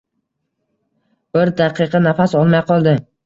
Bir daqiqa nafas olmay qoldi.